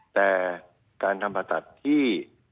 แต่การทำผ่าตัดที่